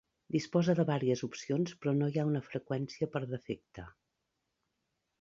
Disposa de varies opcions però no hi ha una freqüència per defecte.